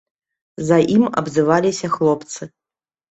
За ім абзываліся хлопцы.